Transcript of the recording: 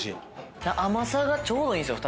甘さがちょうどいいんすよ